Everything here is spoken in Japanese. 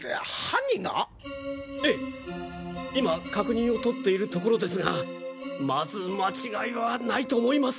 ええ今確認をとっているところですがまず間違いはないと思います。